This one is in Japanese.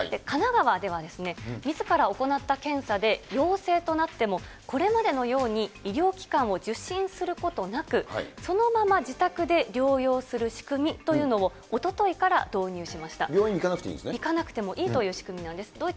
神奈川では、みずから行った検査で陽性となっても、これまでのように、医療機関を受診することなく、そのまま自宅で療養する仕組みというのを、おとといから導入しま病院行かなくていいんですね。